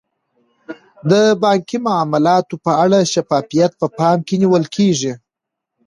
د بانکي معاملاتو په اړه شفافیت په پام کې نیول کیږي.